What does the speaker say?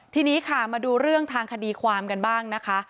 ทีนี้ค่ะมาดูเรื่องทางคดีความกันบ้างนะคะ